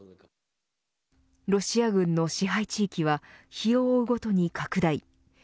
ロシア軍の支配地域は日を追うごとに拡大。